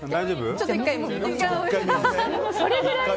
ちょっと１回、水を。